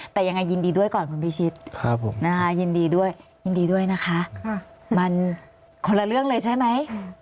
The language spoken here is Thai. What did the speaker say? แต่ยังไงยินดีด้วยก่อนคุณพิชิตยินดีด้วยยินดีด้วยนะคะมันคนละเรื่องเลยใช่ไหม